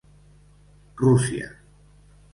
Rússia.